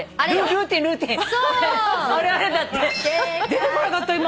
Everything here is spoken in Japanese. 出てこなかった今！